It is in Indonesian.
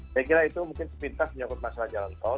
saya kira itu mungkin sepintas menyangkut masalah jalan tol